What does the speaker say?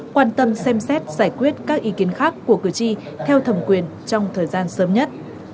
quan tâm xem xét giải quyết các ý kiến khác của cử tri theo thẩm quyền trong thời gian sớm nhất